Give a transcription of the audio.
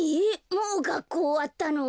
もうがっこうおわったの？